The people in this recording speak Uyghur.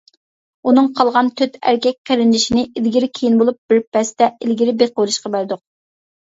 ئۇنىڭ قالغان تۆت ئەركەك قېرىندىشىنى ئىلگىرى كېيىن بولۇپ بىرپەستە ئىلگىرى بېقىۋېلىشقا بەردۇق.